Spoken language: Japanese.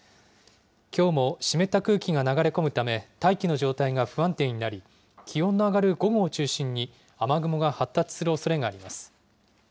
きょうも湿った空気が流れ込むため、大気の状態が不安定になり、気温の上がる午後を中心に、雨雲が発達するおそれがあります。